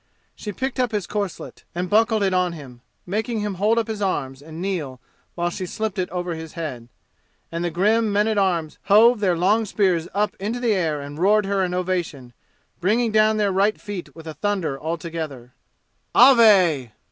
She picked up his corselet and buckled it on him, making him hold up his arms and kneel while she slipped it over his head. And the grim men at arms hove their long spears up into the air and roared her an ovation, bringing down their right feet with a thunder all together. "Ave!"